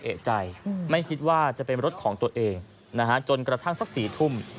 เอกใจไม่คิดว่าจะเป็นรถของตัวเองนะฮะจนกระทั่งสัก๔ทุ่ม